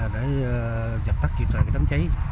đã dập tắt kịp thoại cái đám cháy